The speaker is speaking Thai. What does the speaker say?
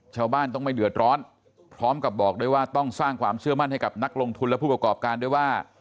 ชาวบ้านต้องไม่เดือดร้อนพร้อมกับบอกด้วยว่าต้องสร้างความเชื่อมั่นให้กับนักลงทุนและผู้ประกอบการด้วยว่า